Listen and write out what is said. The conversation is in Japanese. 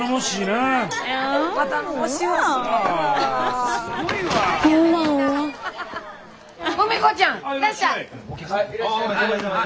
ああいらっしゃい。